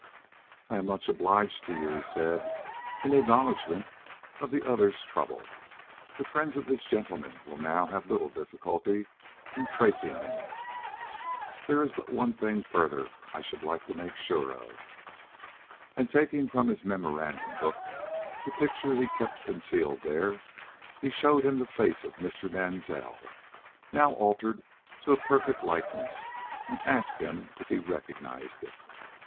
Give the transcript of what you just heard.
"I am much obliged to you," he said, in acknowledgment of the other's trouble. "The friends of this gentleman will now have little difficulty in tracing him. There is but one thing further I should like to make sure of." And taking from his memorandum book the picture he kept concealed there, he showed him the face of Mr. Mansell, now altered to a perfect likeness, and asked him if he recognized it.